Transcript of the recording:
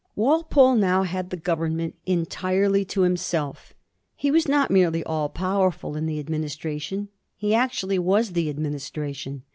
Walpole now had the Government entirely to himself. He was not merely all powerful in the administration, he actually was the administration.